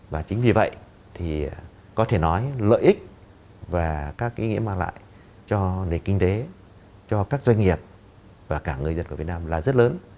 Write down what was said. và chính vì vậy thì có thể nói lợi ích và các ý nghĩa mang lại cho nền kinh tế cho các doanh nghiệp và cả người dân của việt nam là rất lớn